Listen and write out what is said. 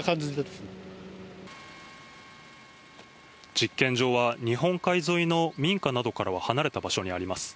実験場は、日本海沿いの民家などからは離れた場所にあります。